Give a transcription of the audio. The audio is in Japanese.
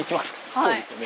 そうですよね。